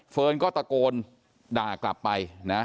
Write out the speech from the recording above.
เฟิร์นก็ตะโกนด่ากลับไปนะ